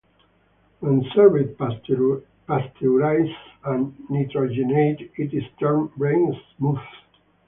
When served pasteurised and nitrogenated it is termed Brains Smooth.